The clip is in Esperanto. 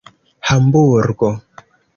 hamburgo